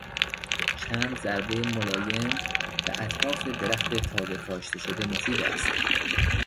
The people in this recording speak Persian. چند ضربهی ملایم به اطراف درخت تازه کاشته شده مفید است.